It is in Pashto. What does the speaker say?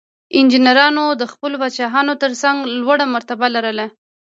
انجینرانو د خپلو پادشاهانو ترڅنګ لوړه مرتبه لرله.